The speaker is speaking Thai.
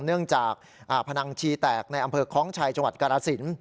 เนื่องจากพนังชีแตกในอำเภอคล้องชัยจังหวัดกรสิน